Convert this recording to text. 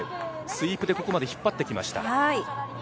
スイープでここまで引っ張ってきました。